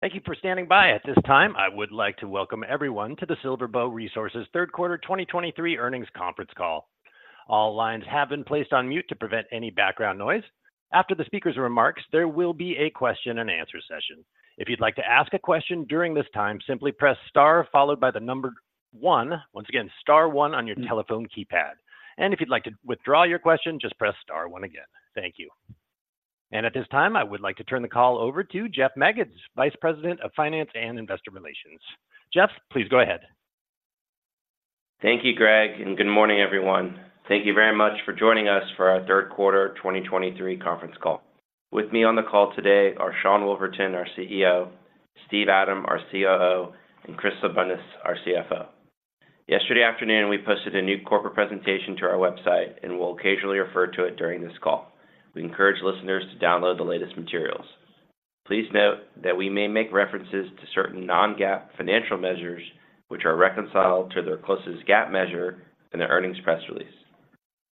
Thank you for standing by. At this time, I would like to welcome everyone to the SilverBow Resources Third Quarter 2023 Earnings Conference Call. All lines have been placed on mute to prevent any background noise. After the speaker's remarks, there will be a question and answer session. If you'd like to ask a question during this time, simply press star followed by the number one. Once again, star one on your telephone keypad. And if you'd like to withdraw your question, just press star one again. Thank you. And at this time, I would like to turn the call over to Jeff Magids, Vice President of Finance and Investor Relations. Jeff, please go ahead. Thank you, Greg, and good morning, everyone. Thank you very much for joining us for Our Third Quarter 2023 Conference Call. With me on the call today are Sean Woolverton, Our CEO, Steve Adam, Our COO, and Chris Abundis, Our CFO. Yesterday afternoon, we posted a new corporate presentation to our website, and we'll occasionally refer to it during this call. We encourage listeners to download the latest materials. Please note that we may make references to certain non-GAAP financial measures, which are reconciled to their closest GAAP measure in the earnings press release.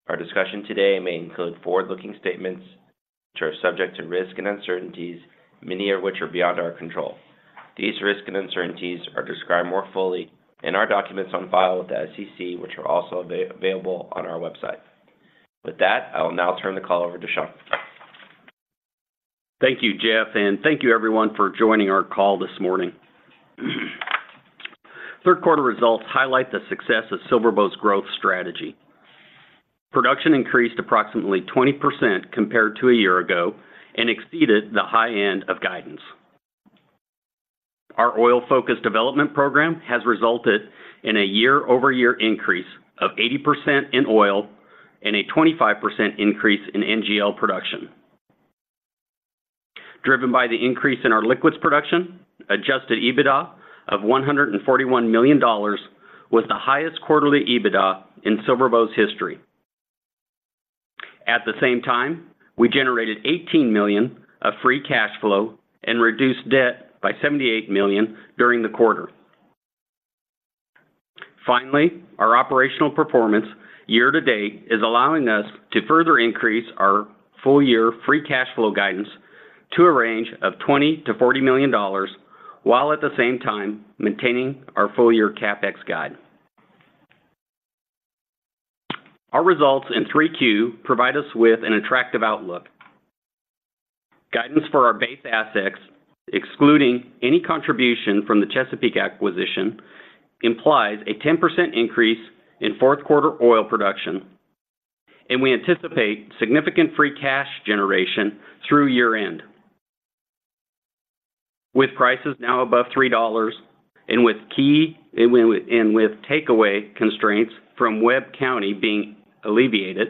Our discussion today may include forward-looking statements, which are subject to risks and uncertainties, many of which are beyond our control. These risks and uncertainties are described more fully in our documents on file with the SEC, which are also available on our website. With that, I will now turn the call over to Sean. Thank you, Jeff, and thank you everyone for joining our call this morning. Third quarter results highlight the success of SilverBow's growth strategy. Production increased approximately 20% compared to a year ago and exceeded the high end of guidance. Our oil-focused development program has resulted in a year-over-year increase of 80% in oil and a 25% increase in NGL production. Driven by the increase in our liquids production, adjusted EBITDA of $141 million was the highest quarterly EBITDA in SilverBow's history. At the same time, we generated $18 million of free cash flow and reduced debt by $78 million during the quarter. Finally, our operational performance year to date is allowing us to further increase our full year free cash flow guidance to a range of $20 million-$40 million, while at the same time maintaining our full year CapEx guide. Our results in 3Q provide us with an attractive outlook. Guidance for our base assets, excluding any contribution from the Chesapeake acquisition, implies a 10% increase in fourth quarter oil production, and we anticipate significant free cash generation through year-end. With prices now above $3 and with takeaway constraints from Webb County being alleviated,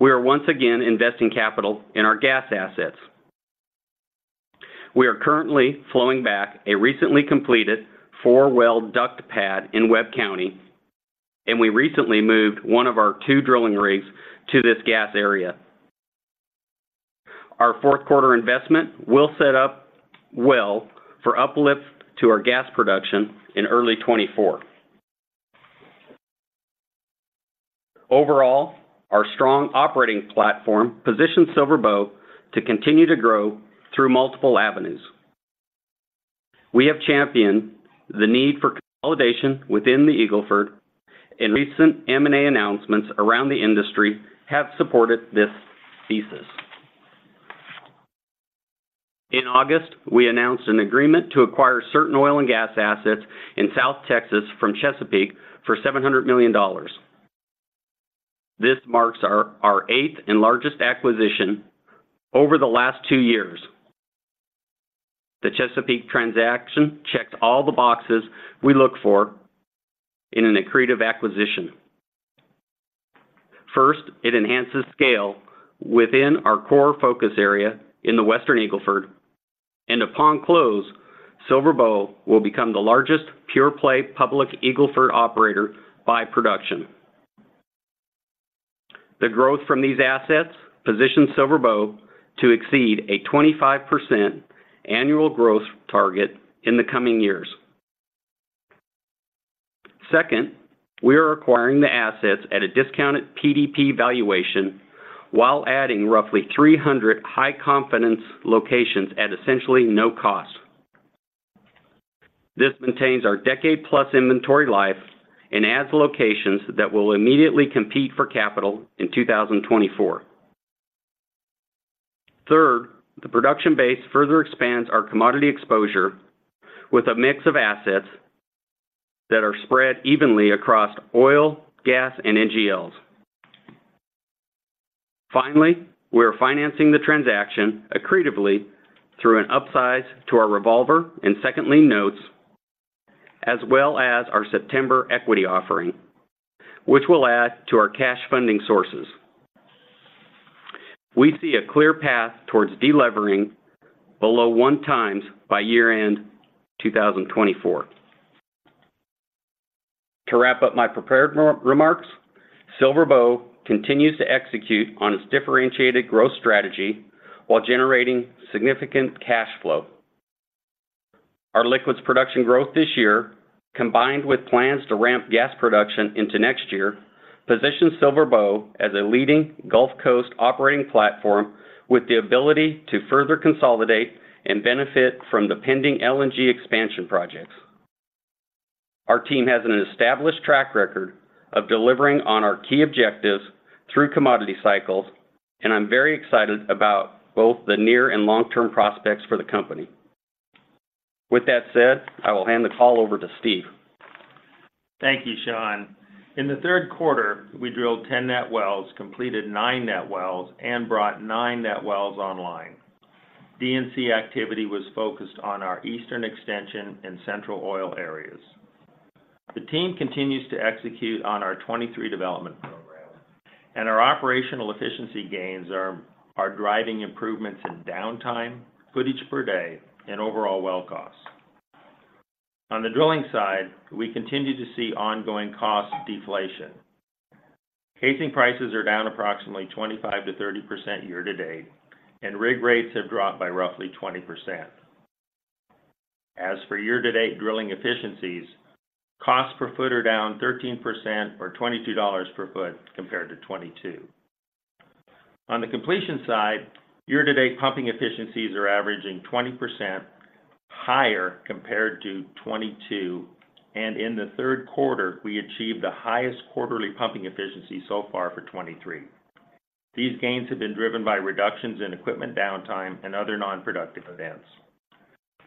we are once again investing capital in our gas assets. We are currently flowing back a recently completed four well DUC pad in Webb County, and we recently moved one of our two drilling rigs to this gas area. Our fourth quarter investment will set up well for uplift to our gas production in early 2024. Overall, our strong operating platform positions SilverBow to continue to grow through multiple avenues. We have championed the need for consolidation within the Eagle Ford, and recent M&A announcements around the industry have supported this thesis. In August, we announced an agreement to acquire certain oil and gas assets in South Texas from Chesapeake for $700 million. This marks our eighth and largest acquisition over the last two years. The Chesapeake transaction checks all the boxes we look for in an accretive acquisition. First, it enhances scale within our core focus area in the Western Eagle Ford, and upon close, SilverBow will become the largest pure-play public Eagle Ford operator by production. The growth from these assets positions SilverBow to exceed a 25% annual growth target in the coming years. Second, we are acquiring the assets at a discounted PDP valuation while adding roughly 300 high-confidence locations at essentially no cost. This maintains our decade-plus inventory life and adds locations that will immediately compete for capital in 2024. Third, the production base further expands our commodity exposure with a mix of assets that are spread evenly across oil, gas, and NGLs. Finally, we are financing the transaction accretively through an upsize to our revolver and second lien notes as well as our September equity offering, which will add to our cash funding sources. We see a clear path towards delevering below 1x by year-end 2024. To wrap up my prepared remarks, SilverBow continues to execute on its differentiated growth strategy while generating significant cash flow. Our liquids production growth this year, combined with plans to ramp gas production into next year, positions SilverBow as a leading Gulf Coast operating platform with the ability to further consolidate and benefit from the pending LNG expansion projects. Our team has an established track record of delivering on our key objectives through commodity cycles, and I'm very excited about both the near and long-term prospects for the company. With that said, I will hand the call over to Steve. Thank you, Sean. In the third quarter, we drilled 10 net wells, completed nine net wells, and brought nine net wells online. DNC activity was focused on our Eastern Extension and Central Oil areas. The team continues to execute on our 2023 development program, and our operational efficiency gains are driving improvements in downtime, footage per day, and overall well costs. On the drilling side, we continue to see ongoing cost deflation. Casing prices are down approximately 25%-30% year-to-date, and rig rates have dropped by roughly 20%. As for year-to-date drilling efficiencies, costs per foot are down 13% or $22 per foot compared to 2022. On the completion side, year-to-date pumping efficiencies are averaging 20% higher compared to 2022, and in the third quarter, we achieved the highest quarterly pumping efficiency so far for 2023. These gains have been driven by reductions in equipment downtime and other non-productive events.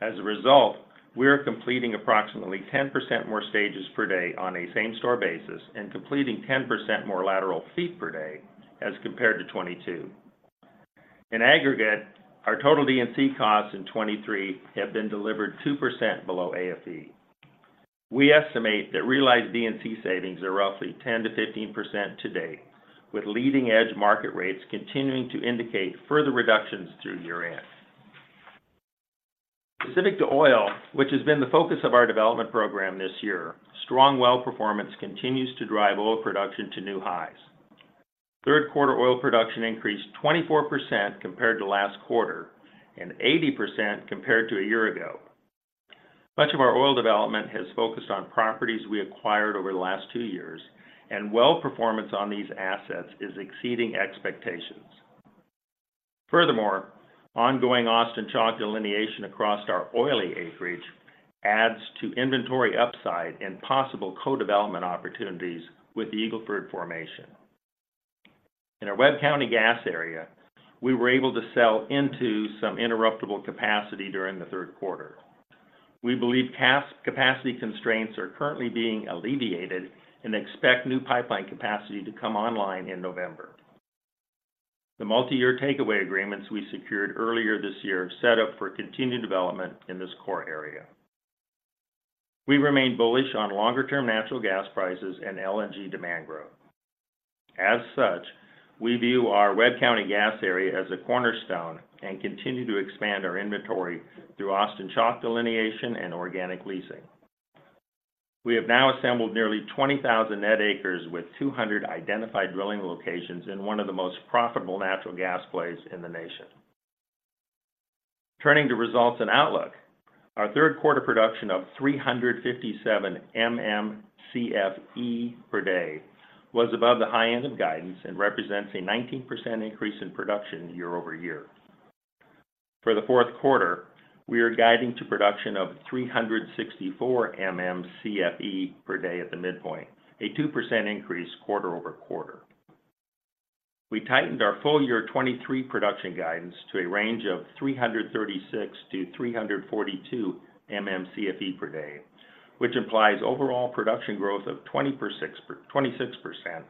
As a result, we are completing approximately 10% more stages per day on a same-store basis and completing 10% more lateral feet per day as compared to 2022. In aggregate, our total DNC costs in 2023 have been delivered 2% below AFE. We estimate that realized DNC savings are roughly 10%-15% to date, with leading-edge market rates continuing to indicate further reductions through year-end. Specific to oil, which has been the focus of our development program this year, strong well performance continues to drive oil production to new highs. Third quarter oil production increased 24% compared to last quarter and 80% compared to a year ago. Much of our oil development has focused on properties we acquired over the last two years, and well performance on these assets is exceeding expectations. Furthermore, ongoing Austin Chalk delineation across our oily acreage adds to inventory upside and possible co-development opportunities with the Eagle Ford formation. In our Webb County gas area, we were able to sell into some interruptible capacity during the third quarter. We believe gas capacity constraints are currently being alleviated and expect new pipeline capacity to come online in November. The multi-year takeaway agreements we secured earlier this year set up for continued development in this core area. We remain bullish on longer-term natural gas prices and LNG demand growth. As such, we view our Webb County gas area as a cornerstone and continue to expand our inventory through Austin Chalk delineation and organic leasing. We have now assembled nearly 20,000 net acres with 200 identified drilling locations in one of the most profitable natural gas plays in the nation. Turning to results and outlook, our third quarter production of 357 MMcfe per day was above the high end of guidance and represents a 19% increase in production year-over-year. For the fourth quarter, we are guiding to production of 364 MMcfe per day at the midpoint, a 2% increase quarter-over-quarter. We tightened our full year 2023 production guidance to a range of 336-342 MMcfe per day, which implies overall production growth of 20%-26%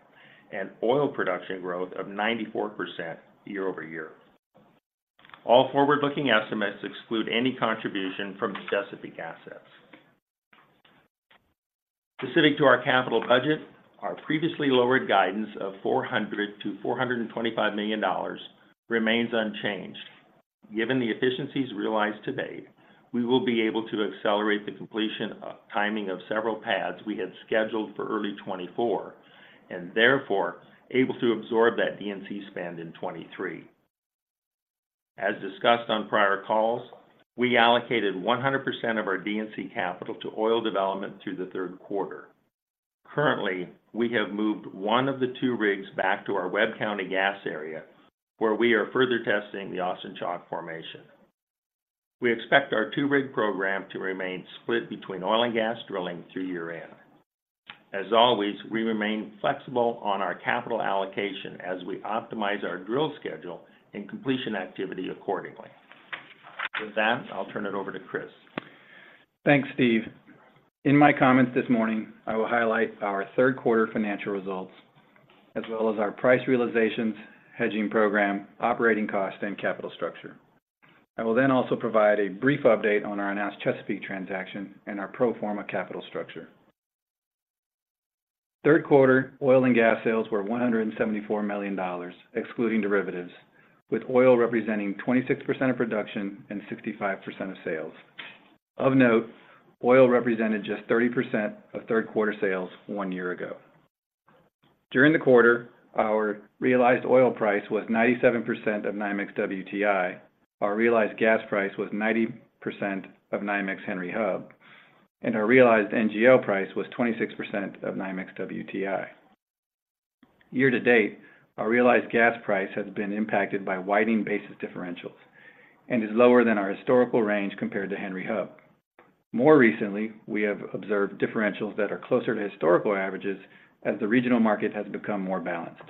and oil production growth of 94% year-over-year. All forward-looking estimates exclude any contribution from Chesapeake assets. Specific to our capital budget, our previously lowered guidance of $400 million-$425 million remains unchanged. Given the efficiencies realized to date, we will be able to accelerate the completion of timing of several pads we had scheduled for early 2024, and therefore able to absorb that DNC spend in 2023. As discussed on prior calls, we allocated 100% of our DNC capital to oil development through the third quarter. Currently, we have moved one of the two rigs back to our Webb County gas area, where we are further testing the Austin Chalk formation. We expect our two-rig program to remain split between oil and gas drilling through year-end. As always, we remain flexible on our capital allocation as we optimize our drill schedule and completion activity accordingly. With that, I'll turn it over to Chris. Thanks, Steve. In my comments this morning, I will highlight our third quarter financial results, as well as our price realizations, hedging program, operating costs, and capital structure. I will then also provide a brief update on our announced Chesapeake transaction and our pro forma capital structure. Third quarter oil and gas sales were $174 million, excluding derivatives, with oil representing 26% of production and 65% of sales. Of note, oil represented just 30% of third quarter sales one year ago. During the quarter, our realized oil price was 97% of NYMEX WTI. Our realized gas price was 90% of NYMEX Henry Hub, and our realized NGL price was 26% of NYMEX WTI. Year to date, our realized gas price has been impacted by widening basis differentials and is lower than our historical range compared to Henry Hub. More recently, we have observed differentials that are closer to historical averages as the regional market has become more balanced.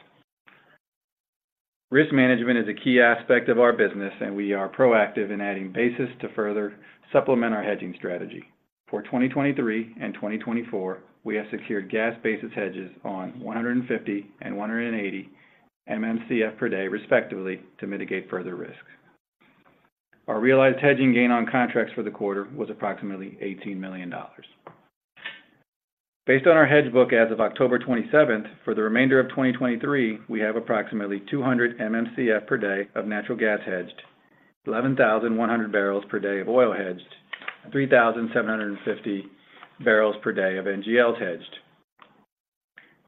Risk management is a key aspect of our business, and we are proactive in adding basis to further supplement our hedging strategy. For 2023 and 2024, we have secured gas basis hedges on 150 and 180 MMcf per day, respectively, to mitigate further risks. Our realized hedging gain on contracts for the quarter was approximately $18 million. Based on our hedge book as of October 27th, for the remainder of 2023, we have approximately 200 MMcf per day of natural gas hedged, 11,100 barrels per day of oil hedged, and 3,750 barrels per day of NGLs hedged.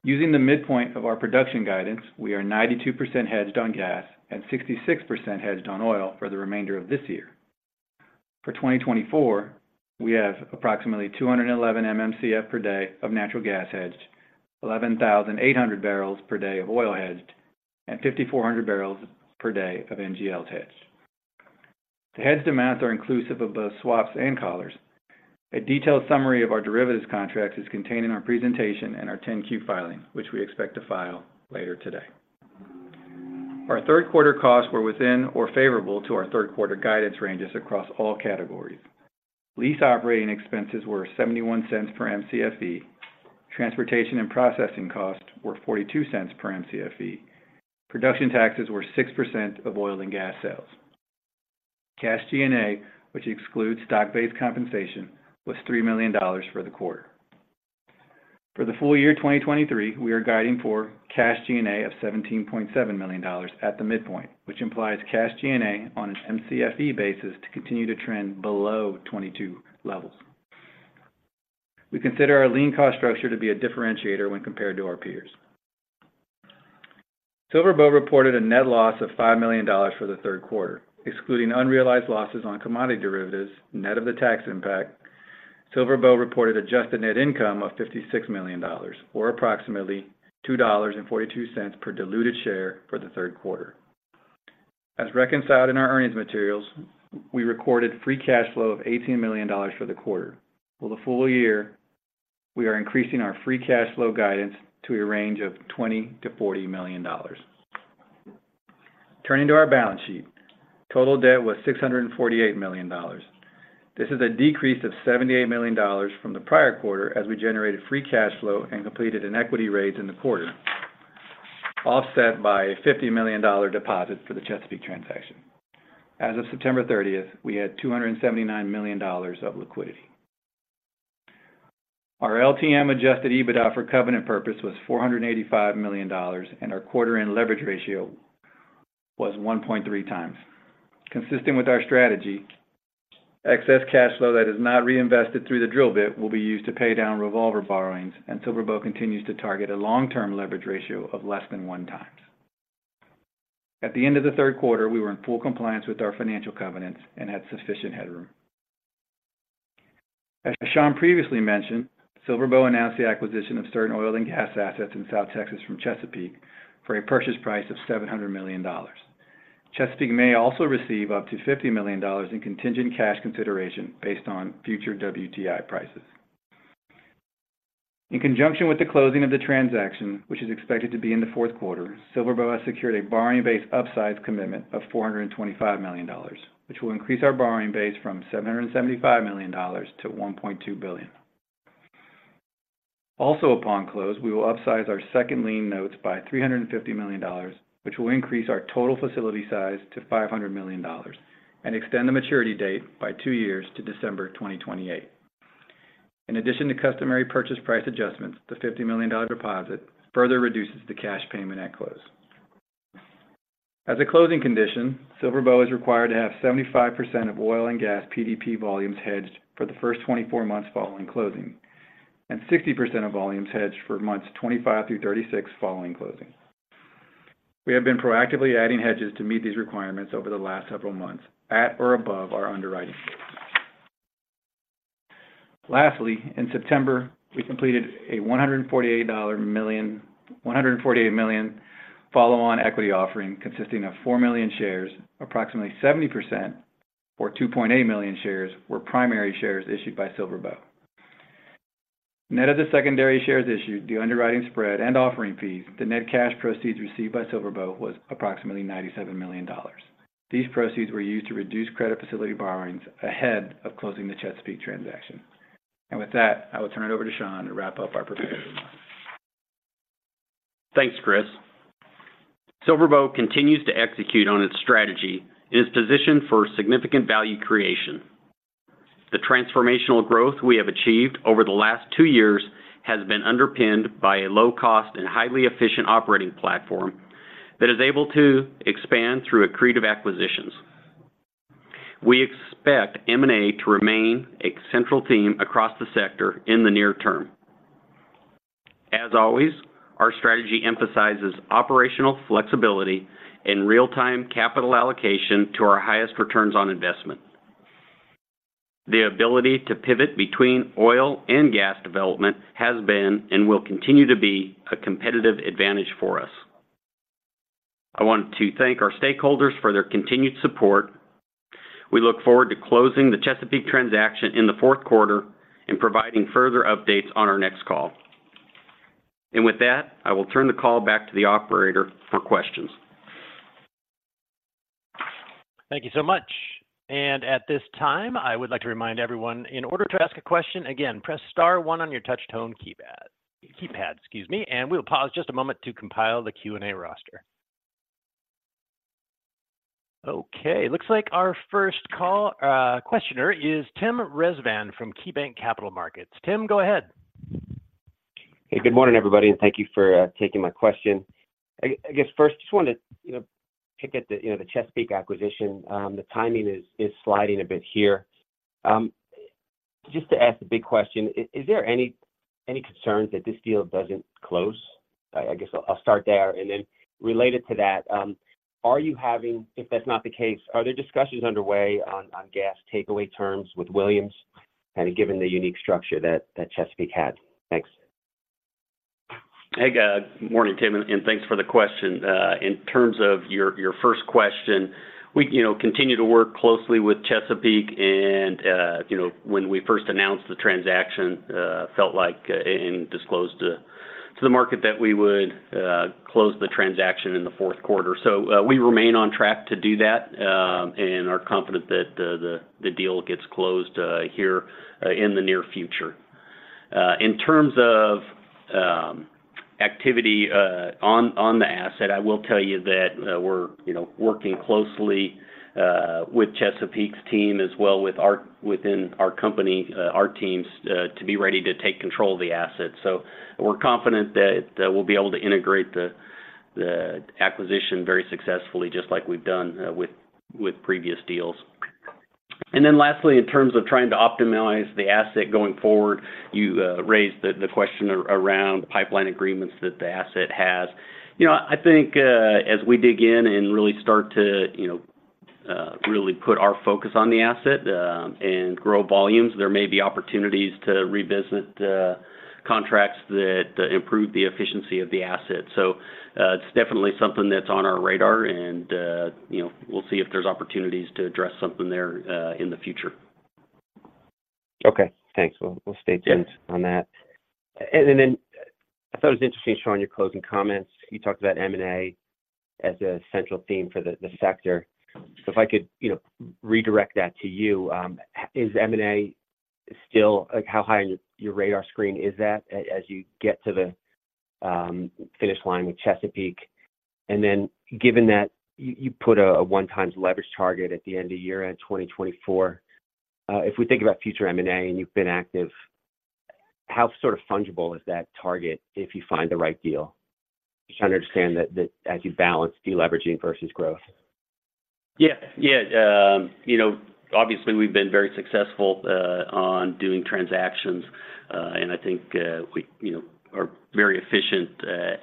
Using the midpoint of our production guidance, we are 92% hedged on gas and 66% hedged on oil for the remainder of this year. For 2024, we have approximately 211 MMcf per day of natural gas hedged, 11,800 Mbpd of oil hedged, and 5,400 Mbpd of NGLs hedged. The hedged amounts are inclusive of both swaps and collars. A detailed summary of our derivatives contracts is contained in our presentation and our 10-Q filing, which we expect to file later today. Our third quarter costs were within or favorable to our third quarter guidance ranges across all categories. Lease operating expenses were $0.71 per Mcfe. Transportation and processing costs were $0.42 per Mcfe. Production taxes were 6% of oil and gas sales. Cash G&A, which excludes stock-based compensation, was $3 million for the quarter. For the full year, 2023, we are guiding for cash G&A of $17.7 million at the midpoint, which implies cash G&A on an Mcfe basis to continue to trend below 22 levels. We consider our lean cost structure to be a differentiator when compared to our peers. SilverBow reported a net loss of $5 million for the third quarter, excluding unrealized losses on commodity derivatives. Net of the tax impact, SilverBow reported adjusted net income of $56 million, or approximately $2.42 per diluted share for the third quarter. As reconciled in our earnings materials, we recorded free cash flow of $18 million for the quarter. For the full year, we are increasing our free cash flow guidance to a range of $20 million-$40 million. Turning to our balance sheet, total debt was $648 million. This is a decrease of $78 million from the prior quarter as we generated free cash flow and completed an equity raise in the quarter, offset by a $50 million deposit for the Chesapeake transaction. As of September thirtieth, we had $279 million of liquidity. Our LTM adjusted EBITDA for covenant purpose was $485 million, and our quarter-end leverage ratio was 1.3x. Consistent with our strategy, excess cash flow that is not reinvested through the drill bit will be used to pay down revolver borrowings, and SilverBow continues to target a long-term leverage ratio of less than 1x. At the end of the third quarter, we were in full compliance with our financial covenants and had sufficient headroom. As Sean previously mentioned, SilverBow announced the acquisition of certain oil and gas assets in South Texas from Chesapeake for a purchase price of $700 million. Chesapeake may also receive up to $50 million in contingent cash consideration based on future WTI prices. In conjunction with the closing of the transaction, which is expected to be in the fourth quarter, SilverBow has secured a borrowing base upsize commitment of $425 million, which will increase our borrowing base from $775 million to $1.2 billion. Also, upon close, we will upsize our second lien notes by $350 million, which will increase our total facility size to $500 million and extend the maturity date by two years to December 2028. In addition to customary purchase price adjustments, the $50 million deposit further reduces the cash payment at close. As a closing condition, SilverBow is required to have 75% of oil and gas PDP volumes hedged for the first 24 months following closing, and 60% of volumes hedged for months 25 through 36 following closing. We have been proactively adding hedges to meet these requirements over the last several months at or above our underwriting. Lastly, in September, we completed a $148 million follow-on equity offering, consisting of 4 million shares. Approximately 70%, or 2.8 million shares, were primary shares issued by SilverBow. Net of the secondary shares issued, the underwriting spread and offering fees, the net cash proceeds received by SilverBow was approximately $97 million. These proceeds were used to reduce credit facility borrowings ahead of closing the Chesapeake transaction. With that, I will turn it over to Sean to wrap up our presentation. Thanks, Chris. SilverBow continues to execute on its strategy and is positioned for significant value creation. The transformational growth we have achieved over the last two years has been underpinned by a low cost and highly efficient operating platform that is able to expand through accretive acquisitions. We expect M&A to remain a central theme across the sector in the near term. As always, our strategy emphasizes operational flexibility and real-time capital allocation to our highest returns on investment. The ability to pivot between oil and gas development has been, and will continue to be, a competitive advantage for us. I want to thank our stakeholders for their continued support. We look forward to closing the Chesapeake transaction in the fourth quarter and providing further updates on our next call. With that, I will turn the call back to the operator for questions. Thank you so much. At this time, I would like to remind everyone, in order to ask a question, again, press star one on your touch tone keypad, excuse me, and we'll pause just a moment to compile the Q&A roster. Okay, looks like our first caller is Tim Rezvan from KeyBanc Capital Markets. Tim, go ahead. Hey, good morning, everybody, and thank you for taking my question. I guess first, just wanted to, you know, pick at the, you know, the Chesapeake acquisition. The timing is sliding a bit here. Just to ask the big question, is there any concerns that this deal doesn't close? I guess I'll start there. And then related to that, are you having—if that's not the case, are there discussions underway on gas takeaway terms with Williams, kind of given the unique structure that Chesapeake had? Thanks. Hey, good morning, Tim, and thanks for the question. In terms of your first question, we, you know, continue to work closely with Chesapeake, and, you know, when we first announced the transaction, felt like, and disclosed to the market that we would close the transaction in the fourth quarter. We remain on track to do that and are confident that the deal gets closed here in the near future. In terms of activity on the asset, I will tell you that we're, you know, working closely with Chesapeake's team, as well with our—within our company, our teams, to be ready to take control of the asset. So we're confident that we'll be able to integrate the acquisition very successfully, just like we've done with previous deals. And then lastly, in terms of trying to optimize the asset going forward, you raised the question around pipeline agreements that the asset has. You know, I think as we dig in and really start to you know really put our focus on the asset and grow volumes, there may be opportunities to revisit contracts that improve the efficiency of the asset. So, it's definitely something that's on our radar, and you know, we'll see if there's opportunities to address something there in the future. Okay, thanks. We'll, we'll stay tuned in that. Yeah And then, I thought it was interesting, Sean, your closing comments, you talked about M&A as a central theme for the sector. So if I could, you know, redirect that to you, is M&A still? Like, how high on your radar screen is that as you get to the finish line with Chesapeake? And then given that you put a 1x leverage target at the end of year-end 2024, if we think about future M&A, and you've been active, how sort of fungible is that target if you find the right deal? Just trying to understand that as you balance deleveraging versus growth. Yeah. Yeah, you know, obviously, we've been very successful on doing transactions, and I think, we, you know, are very efficient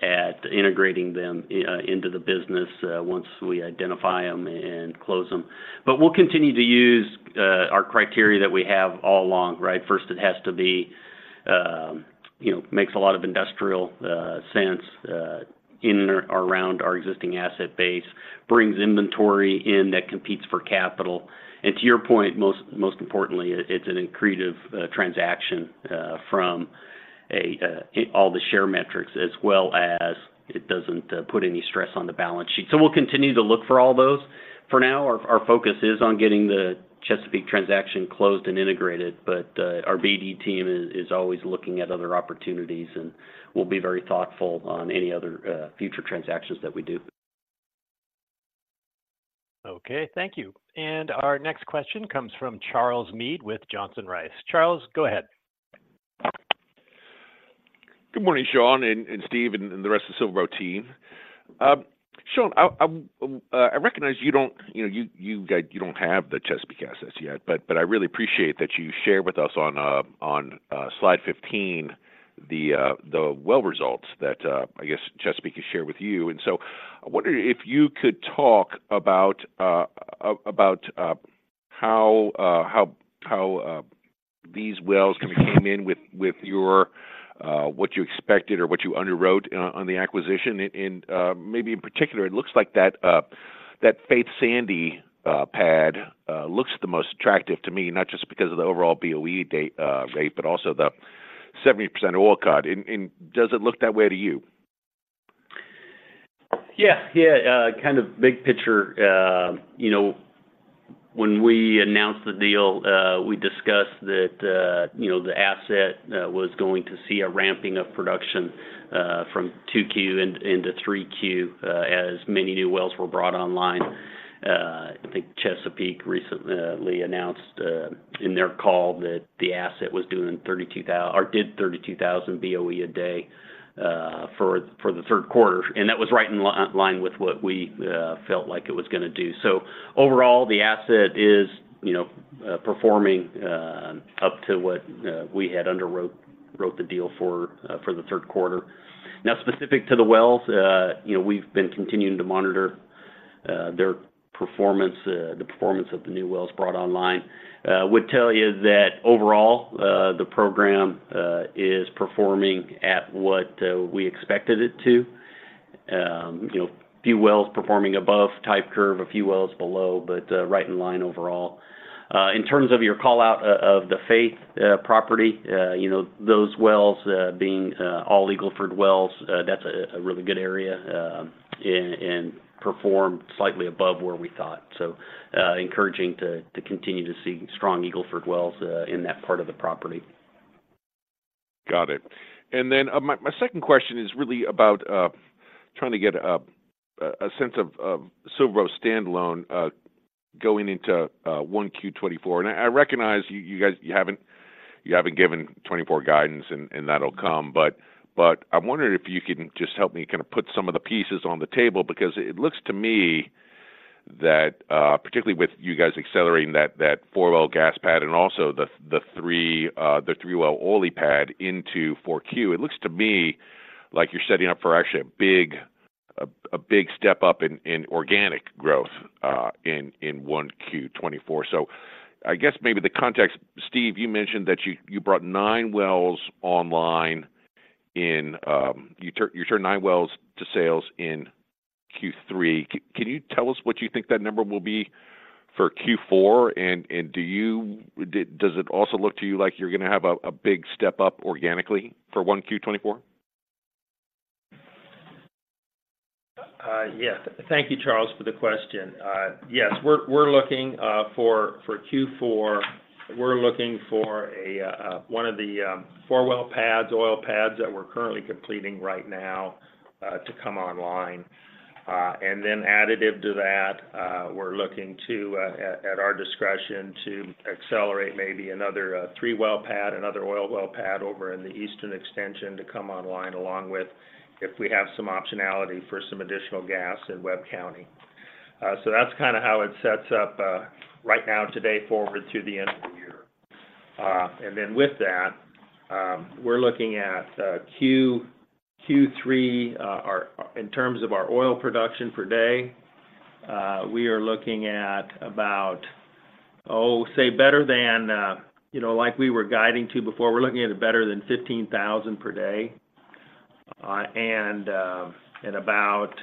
at integrating them into the business once we identify them and close them. But we'll continue to use our criteria that we have all along, right? First, it has to be, you know, makes a lot of industrial sense in or around our existing asset base, brings inventory in that competes for capital. And to your point, most importantly, it's an accretive transaction from all the share metrics, as well as it doesn't put any stress on the balance sheet. So we'll continue to look for all those. For now, our focus is on getting the Chesapeake transaction closed and integrated, but our BD team is always looking at other opportunities, and we'll be very thoughtful on any other future transactions that we do. Okay, thank you. Our next question comes from Charles Meade with Johnson Rice. Charles, go ahead. Good morning, Sean and Steve, and the rest of the SilverBow team. Sean, I recognize you don't, you know, you guys don't have the Chesapeake assets yet, but I really appreciate that you share with us on slide 15, the well results that I guess Chesapeake has shared with you. And so I wonder if you could talk about about how these wells kind of came in with your what you expected or what you underwrote on the acquisition? And maybe in particular, it looks like that Faith Sandy pad looks the most attractive to me, not just because of the overall BOE/day rate, but also the 70% oil cut. Does it look that way to you? Yeah. Yeah, kind of big picture, you know, when we announced the deal, we discussed that, you know, the asset was going to see a ramping of production from 2Q into 3Q as many new wells were brought online. I think Chesapeake recently announced in their call that the asset did 32,000 BOE a day for the third quarter, and that was right in line with what we felt like it was gonna do. So overall, the asset is, you know, performing up to what we had underwrote the deal for for the third quarter. Now, specific to the wells, you know, we've been continuing to monitor the performance, the performance of the new wells brought online, would tell you that overall, the program is performing at what we expected it to. You know, a few wells performing above type curve, a few wells below, but right in line overall. In terms of your call-out of the Faith property, you know, those wells being all Eagle Ford wells, that's a really good area, and performed slightly above where we thought. So, encouraging to continue to see strong Eagle Ford wells in that part of the property. Got it. And then, my, my second question is really about trying to get a sense of SilverBow standalone going into 1Q 2024. And I, I recognize you, you guys, you haven't, you haven't given 2024 guidance, and that'll come. But, but I'm wondering if you can just help me kinda put some of the pieces on the table, because it looks to me that particularly with you guys accelerating that, that 4-well gas pad and also the, the 3-well oil pad into 4Q, it looks to me like you're setting up for actually a big, a, a big step up in organic growth in 1Q 2024. So I guess maybe the context. Steve, you mentioned that you, you brought nine wells online, you turned nine wells to sales in Q3. Can you tell us what you think that number will be for Q4? And do you, does it also look to you like you're gonna have a big step up organically for 1Q 2024? Yes. Thank you, Charles, for the question. Yes, we're looking for Q4, we're looking for one of the four-well pads, oil pads that we're currently completing right now to come online. And then additive to that, we're looking to at our discretion to accelerate maybe another three-well pad, another oil well pad over in the eastern extension to come online, along with if we have some optionality for some additional gas in Webb County. So that's kinda how it sets up right now today forward to the end of the year. And then with that, we're looking at Q3. In terms of our oil production per day, we are looking at about, oh, say better than, you know, like we were guiding to before, we're looking at better than 15,000 per day, and about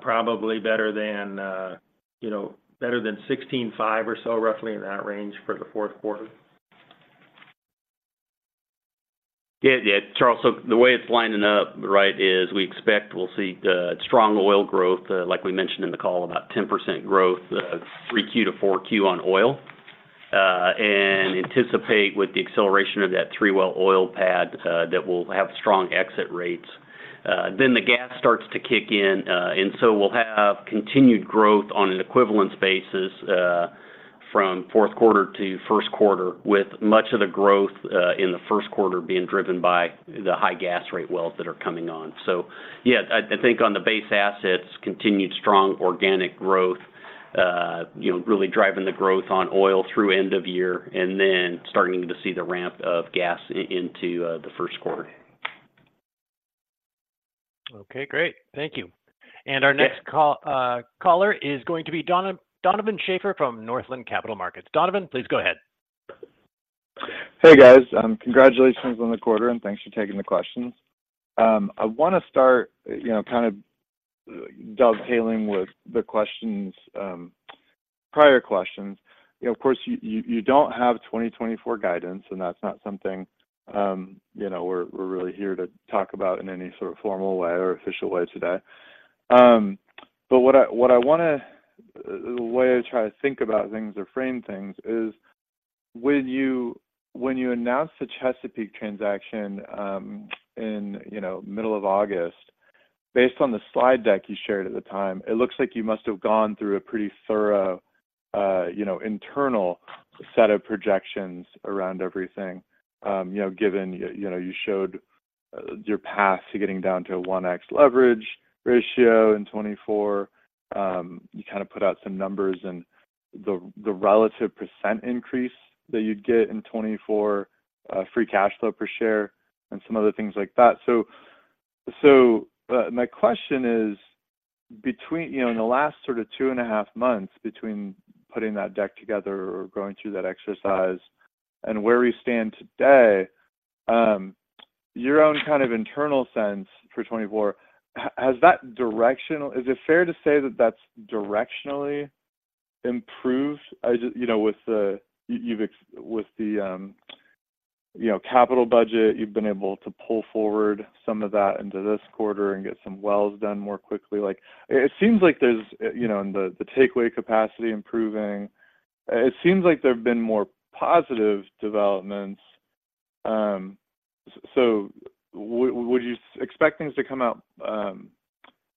probably better than, you know, better than 16,500 or so, roughly in that range for the fourth quarter. Yeah, yeah, Charles, so the way it's lining up, right, is we expect we'll see strong oil growth, like we mentioned in the call, about 10% growth, 3Q to 4Q on oil. And anticipate with the acceleration of that three-well oil pad, that we'll have strong exit rates. Then the gas starts to kick in, and so we'll have continued growth on an equivalent basis, from fourth quarter to first quarter, with much of the growth in the first quarter being driven by the high gas rate wells that are coming on. So yeah, I think on the base assets, continued strong organic growth, you know, really driving the growth on oil through end of year, and then starting to see the ramp of gas into the first quarter. Okay, great. Thank you. And our next caller is going to be Donovan Schafer from Northland Capital Markets. Donovan, please go ahead. Hey, guys. Congratulations on the quarter, and thanks for taking the questions. I wanna start, you know, kind of dovetailing with the questions, prior questions. You know, of course, you don't have 2024 guidance, and that's not something, you know, we're really here to talk about in any sort of formal way or official way today. But what I wanna, the way I try to think about things or frame things is when you announced the Chesapeake transaction, you know, middle of August, based on the slide deck you shared at the time, it looks like you must have gone through a pretty thorough, you know, internal set of projections around everything. You know, given, you know, you showed your path to getting down to a 1x leverage ratio in 2024. You kinda put out some numbers and the relative % increase that you'd get in 2024, free cash flow per share, and some other things like that. So, my question is, between—you know, in the last sort of two and a half months between putting that deck together or going through that exercise and where we stand today, your own kind of internal sense for 2024, has that directional—is it fair to say that that's directionally improved? As you know, with the capital budget, you've been able to pull forward some of that into this quarter and get some wells done more quickly. Like, it seems like there's, you know, and the takeaway capacity improving. It seems like there have been more positive developments. So would you expect things to come out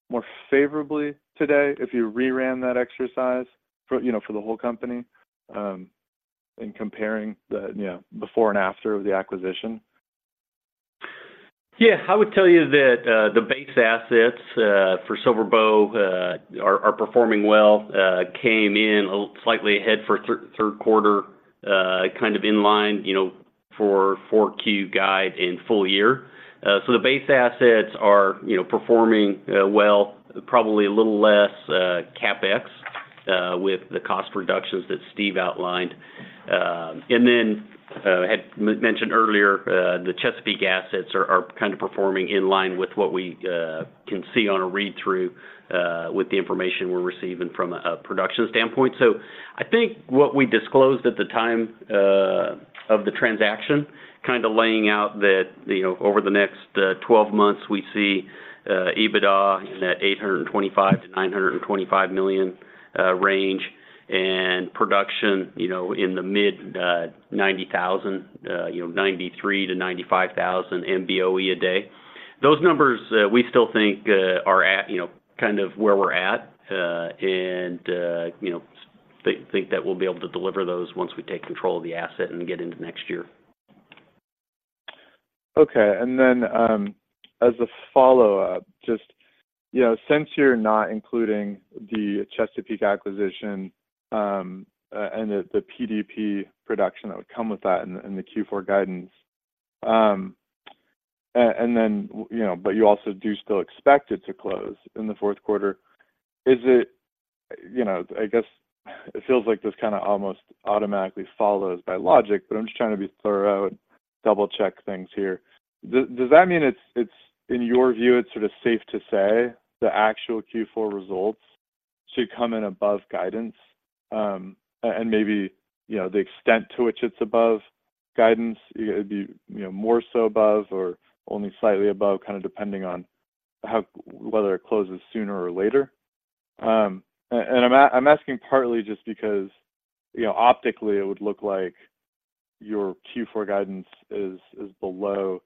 more favorably today if you re-ran that exercise for, you know, for the whole company, in comparing the, you know, before and after of the acquisition? Yeah. I would tell you that the base assets for SilverBow are performing well. Came in a little slightly ahead for third quarter, kind of in line, you know, for 4Q guide in full year. So the base assets are, you know, performing well, probably a little less CapEx with the cost reductions that Steve outlined. And then, had mentioned earlier, the Chesapeake assets are kind of performing in line with what we can see on a read-through with the information we're receiving from a production standpoint. So I think what we disclosed at the time of the transaction, kind of laying out that, you know, over the next 12 months, we see EBITDA in that $825 million-$925 million range, and production, you know, in the mid-90,000, you know, 93,000-95,000 MBOE a day. Those numbers we still think are at, you know, kind of where we're at, and you know, think that we'll be able to deliver those once we take control of the asset and get into next year. Okay. And then, as a follow-up, just, you know, since you're not including the Chesapeake acquisition, and the PDP production that would come with that in the Q4 guidance, and then, you know, but you also do still expect it to close in the fourth quarter. Is it, you know, I guess, it feels like this kind of almost automatically follows by logic, but I'm just trying to be thorough and double-check things here. Does that mean it's, in your view, it's sort of safe to say the actual Q4 results should come in above guidance, and maybe, you know, the extent to which it's above guidance, it'd be, you know, more so above or only slightly above, kind of depending on how—whether it closes sooner or later? And I'm asking partly just because, you know, optically, it would look like your Q4 guidance is below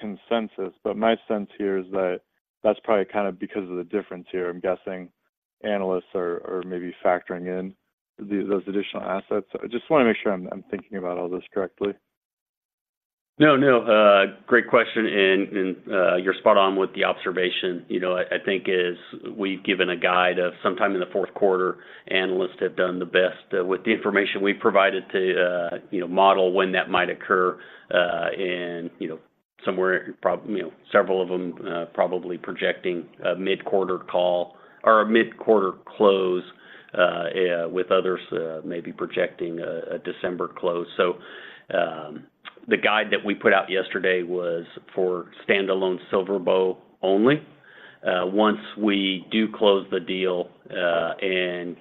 consensus, but my sense here is that that's probably kind of because of the difference here. I'm guessing analysts are maybe factoring in those additional assets. I just want to make sure I'm thinking about all this correctly. No, no, great question, and, and, you're spot on with the observation. You know, I think as we've given a guide of sometime in the fourth quarter, analysts have done the best with the information we've provided to you know, model when that might occur, and, you know, somewhere you know, several of them probably projecting a mid-quarter call or a mid-quarter close, with others maybe projecting a December close. So, the guide that we put out yesterday was for standalone SilverBow only. Once we do close the deal, and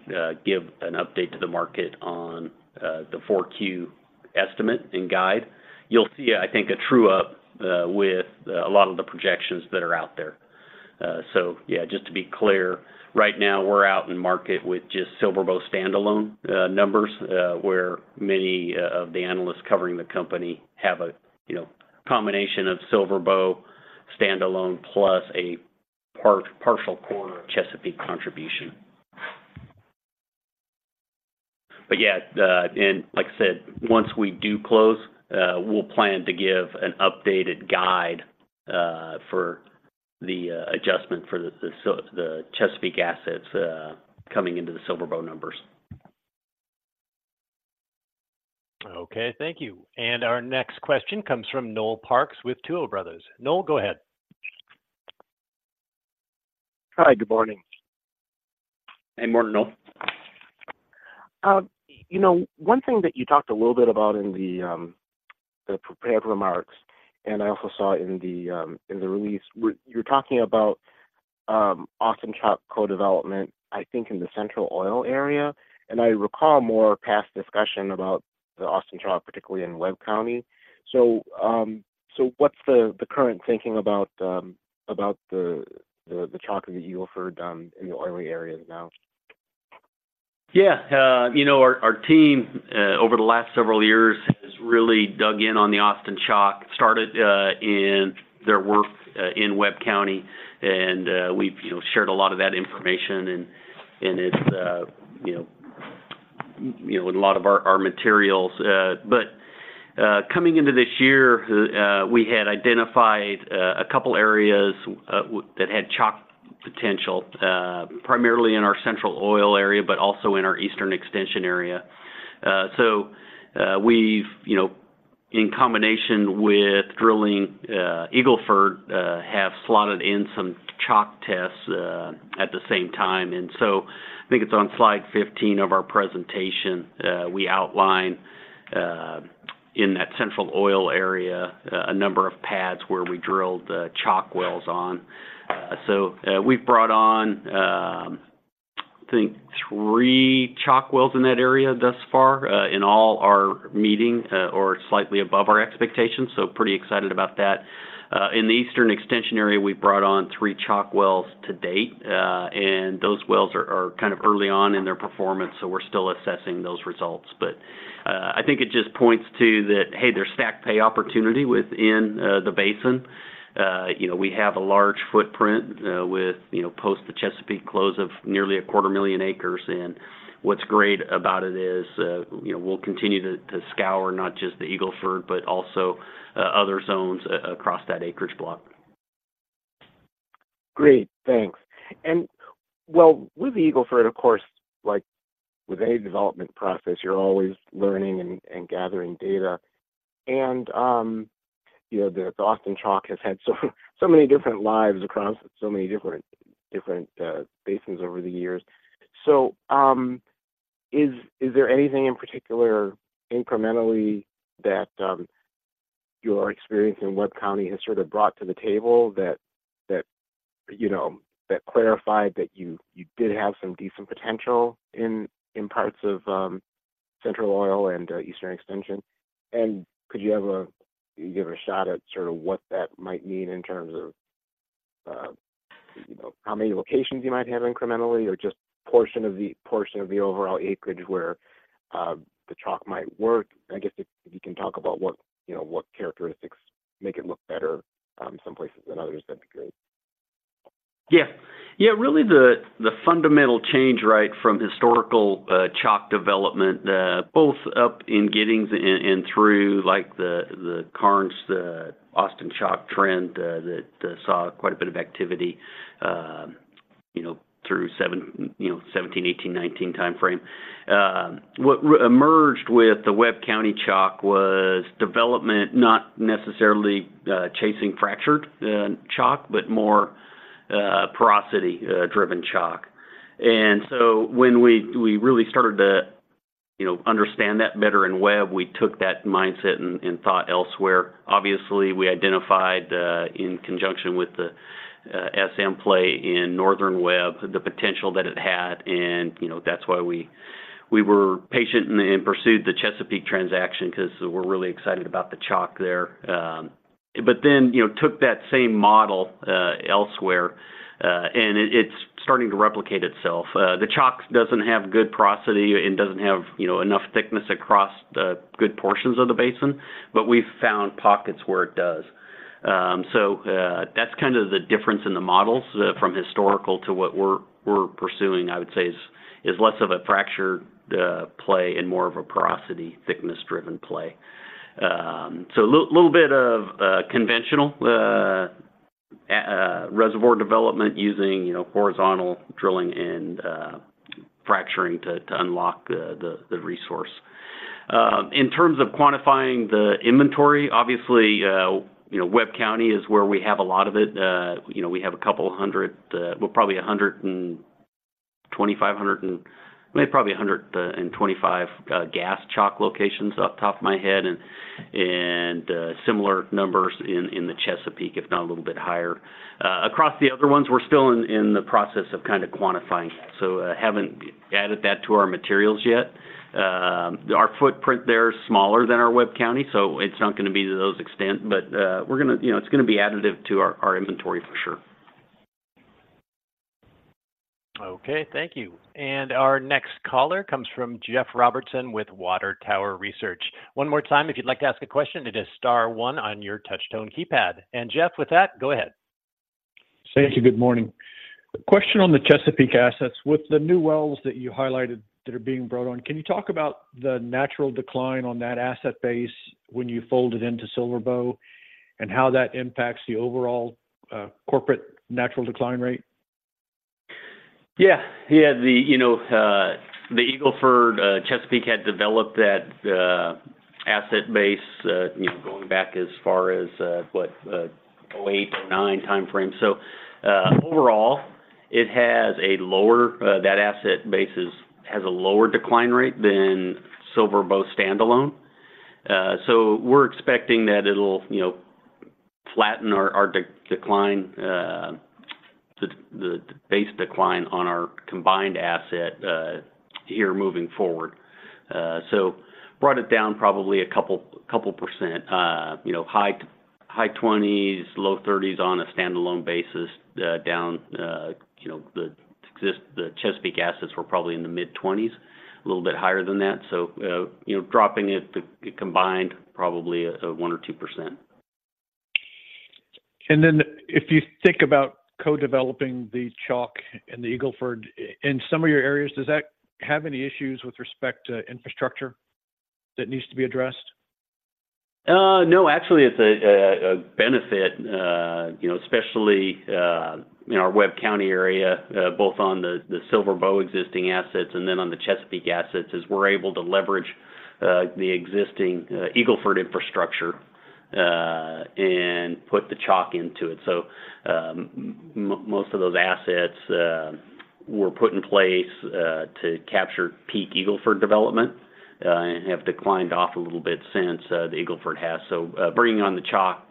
give an update to the market on the 4Q estimate and guide, you'll see, I think, a true up with a lot of the projections that are out there. So yeah, just to be clear, right now, we're out in the market with just SilverBow standalone numbers, where many of the analysts covering the company have a, you know, combination of SilverBow standalone plus a partial quarter of Chesapeake contribution. But yeah, and like I said, once we do close, we'll plan to give an updated guide for the adjustment for the the So- the Chesapeake assets coming into the SilverBow numbers. Okay, thank you. Our next question comes from Noel Parks with Tuohy Brothers. Noel, go ahead. Hi, good morning. Hey, morning, Noel. You know, one thing that you talked a little bit about in the prepared remarks, and I also saw in the release, you were talking about Austin Chalk co-development, I think, in the Central Oil Area, and I recall more past discussion about the Austin Chalk, particularly in Webb County. So, what's the current thinking about the Chalk that you offered in the oily areas now? Yeah, you know, our team over the last several years has really dug in on the Austin Chalk, started in their work in Webb County, and we've, you know, shared a lot of that information and it's, you know, in a lot of our materials. But coming into this year, we had identified a couple areas that had Chalk potential, primarily in our Central Oil Area, but also in our Eastern Extension Area. So we've, you know, in combination with drilling Eagle Ford, have slotted in some chalk tests at the same time. And so I think it's on slide 15 of our presentation, we outline in that Central Oil Area a number of pads where we drilled chalk wells on. So, we've brought on, I think three chalk wells in that area thus far. In all, we're meeting or slightly above our expectations, so pretty excited about that. In the Eastern Extension Area, we brought on three chalk wells to date, and those wells are kind of early on in their performance, so we're still assessing those results. But, I think it just points to that, hey, there's stack pay opportunity within the basin. You know, we have a large footprint with, you know, post the Chesapeake close of nearly 250,000 acres. And what's great about it is, you know, we'll continue to scour not just the Eagle Ford, but also other zones across that acreage block.... Great, thanks. Well, with the Eagle Ford, of course, like with any development process, you're always learning and gathering data. And, you know, the Austin Chalk has had so many different lives across so many different basins over the years. So, is there anything in particular incrementally that your experience in Webb County has sort of brought to the table that you know that clarified that you did have some decent potential in parts of Central Oil and Eastern Extension? And could you give a shot at sort of what that might mean in terms of you know how many locations you might have incrementally, or just portion of the overall acreage where the chalk might work? I guess if you can talk about what, you know, what characteristics make it look better some places than others, that'd be great. Yeah. Yeah, really the fundamental change, right, from historical chalk development both up in Giddings and through like the Karnes, the Austin Chalk Trend that saw quite a bit of activity, you know, through 2017, 2018, 2019 timeframe. What emerged with the Webb County Chalk was development, not necessarily chasing fractured chalk, but more porosity driven chalk. And so when we really started to, you know, understand that better in Webb, we took that mindset and thought elsewhere. Obviously, we identified in conjunction with the SM play in Northern Webb, the potential that it had, and, you know, that's why we were patient and pursued the Chesapeake transaction because we're really excited about the chalk there. But then, you know, took that same model elsewhere, and it, it's starting to replicate itself. The chalk doesn't have good porosity and doesn't have, you know, enough thickness across the good portions of the basin, but we've found pockets where it does. So that's kind of the difference in the models from historical to what we're pursuing, I would say is less of a fracture play and more of a porosity, thickness-driven play. So a little bit of conventional reservoir development using, you know, horizontal drilling and fracturing to unlock the resource. In terms of quantifying the inventory, obviously, you know, Webb County is where we have a lot of it. You know, we have a couple of 100 well, probably [2,500] and maybe probably 125 gas chalk locations off the top of my head, and similar numbers in the Chesapeake, if not a little bit higher. Across the other ones, we're still in the process of kinda quantifying that, so haven't added that to our materials yet. Our footprint there is smaller than our Webb County, so it's not gonna be to those extent, but we're gonna, you know, it's gonna be additive to our inventory for sure. Okay, thank you. And our next caller comes from Jeff Robertson with Water Tower Research. One more time, if you'd like to ask a question, it is star one on your touch tone keypad. And Jeff, with that, go ahead. Thank you. Good morning. Question on the Chesapeake assets. With the new wells that you highlighted that are being brought on, can you talk about the natural decline on that asset base when you fold it into SilverBow, and how that impacts the overall, corporate natural decline rate? Yeah. Yeah, the, you know, the Eagle Ford, Chesapeake had developed that asset base, you know, going back as far as, what, 2008, 2009 timeframe. So, overall, it has a lower, that asset base is- has a lower decline rate than SilverBow standalone. So we're expecting that it'll, you know, flatten our, our decline, the, the base decline on our combined asset, here moving forward. So brought it down probably a couple, couple percent, you know, high-20s, low-30s on a standalone basis, down, you know, the exist- the Chesapeake assets were probably in the mid-20s, a little bit higher than that. So, you know, dropping it to combined, probably, a 1% or 2%. If you think about co-developing the chalk in the Eagle Ford in some of your areas, does that have any issues with respect to infrastructure that needs to be addressed? No, actually, it's a benefit, you know, especially in our Webb County area, both on the SilverBow existing assets and then on the Chesapeake assets, is we're able to leverage the existing Eagle Ford infrastructure and put the chalk into it. So, most of those assets were put in place to capture peak Eagle Ford development and have declined off a little bit since the Eagle Ford has. So, bringing on the chalk,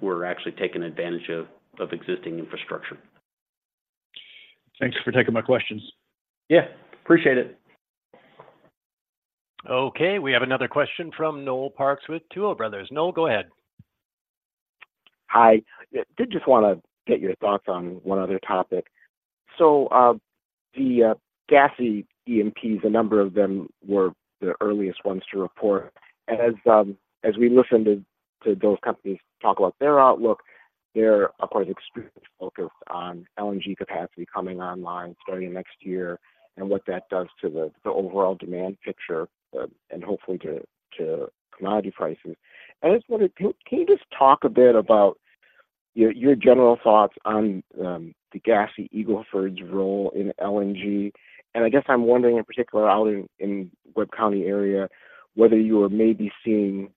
we're actually taking advantage of existing infrastructure. Thanks for taking my questions. Yeah, appreciate it. Okay, we have another question from Noel Parks with Tuohy Brothers. Noel, go ahead. Hi. Did just wanna get your thoughts on one other topic. So, the gassy E&Ps, a number of them were the earliest ones to report. And as we listen to those companies talk about their outlook, they're, of course, extremely focused on LNG capacity coming online starting next year, and what that does to the overall demand picture, and hopefully to commodity prices. I just wondered, can you just talk a bit about your general thoughts on the gassy Eagle Ford's role in LNG? And I guess I'm wondering in particular, out in Webb County area, whether you are maybe seeing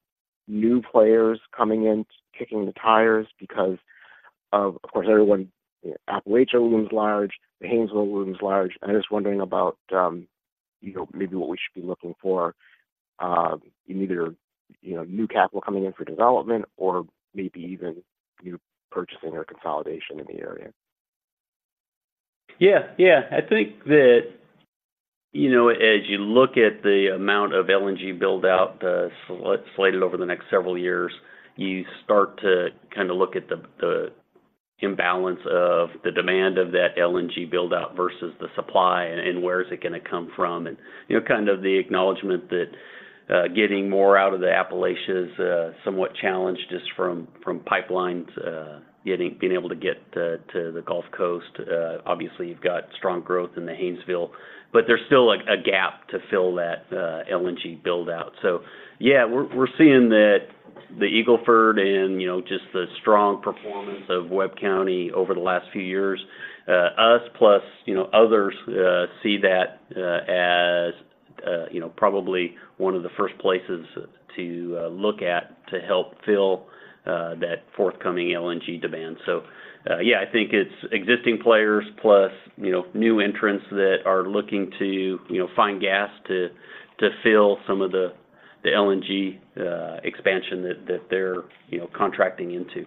new players coming in, kicking the tires because of course, everyone, the Appalachia room is large, the Haynesville room is large. I'm just wondering about, you know, maybe what we should be looking for, in either, you know, new capital coming in for development or maybe even new purchasing or consolidation in the area. Yeah. Yeah, I think that, you know, as you look at the amount of LNG build-out slated over the next several years, you start to kinda look at the imbalance of the demand of that LNG build-out versus the supply and where is it gonna come from? And, you know, kind of the acknowledgment that getting more out of the Appalachia is somewhat challenged just from pipelines being able to get to the Gulf Coast. Obviously, you've got strong growth in the Haynesville, but there's still a gap to fill that LNG build-out. So yeah, we're seeing that the Eagle Ford and, you know, just the strong performance of Webb County over the last few years, us plus, you know, others, see that, as, you know, probably one of the first places to look at to help fill that forthcoming LNG demand. So, yeah, I think it's existing players plus, you know, new entrants that are looking to, you know, find gas to fill some of the LNG expansion that they're, you know, contracting into.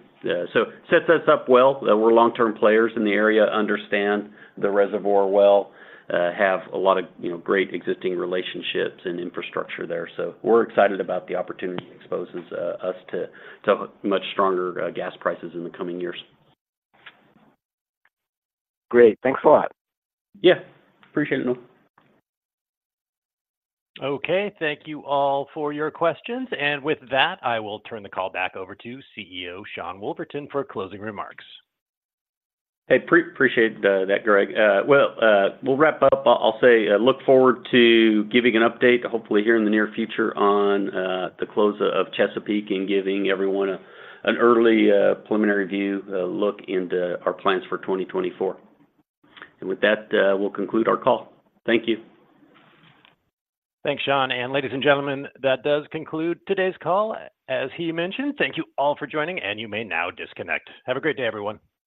So sets us up well. We're long-term players in the area, understand the reservoir well, have a lot of, you know, great existing relationships and infrastructure there. So we're excited about the opportunity it exposes us to much stronger gas prices in the coming years. Great. Thanks a lot. Yeah. Appreciate it, Noel. Okay. Thank you all for your questions. With that, I will turn the call back over to CEO Sean Woolverton for closing remarks. Hey, appreciate that, Greg. Well, we'll wrap up. I'll say, I look forward to giving an update, hopefully here in the near future, on the close of Chesapeake and giving everyone an early preliminary view, look into our plans for 2024. And with that, we'll conclude our call. Thank you. Thanks, Sean. Ladies and gentlemen, that does conclude today's call, as he mentioned. Thank you all for joining, and you may now disconnect. Have a great day, everyone.